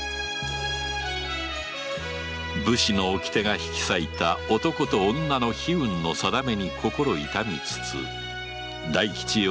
武士の掟が引き裂いた男と女の悲運の宿命に心傷みつつ大吉よ